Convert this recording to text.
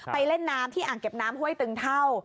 เล่นน้ำที่อ่างเก็บน้ำห้วยตึงเท่า